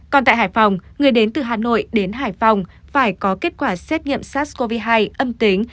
còn tại hải phòng người đến từ hà nội đến hải phòng phải có kết quả xét nghiệm sars cov hai âm tính